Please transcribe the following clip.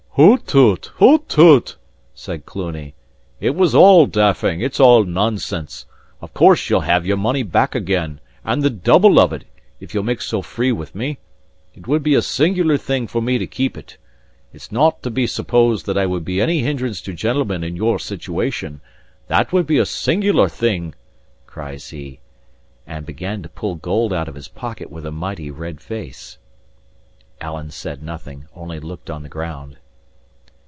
"Hoot toot! hoot toot!" said Cluny. "It was all daffing; it's all nonsense. Of course you'll have your money back again, and the double of it, if ye'll make so free with me. It would be a singular thing for me to keep it. It's not to be supposed that I would be any hindrance to gentlemen in your situation; that would be a singular thing!" cries he, and began to pull gold out of his pocket with a mighty red face. Alan said nothing, only looked on the ground.